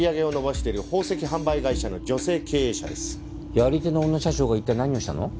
やり手の女社長が一体何をしたの？